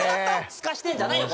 すかしてんじゃないよ